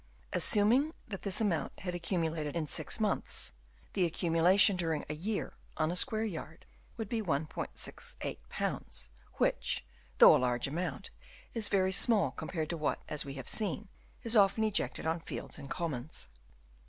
Assuming that this amount had accumulated in six months, the accumulation during a year on a square yard would be 1*68 pounds, which, though a large amount, is very small compared with what, as we have seen, is often ejected on fields and commons.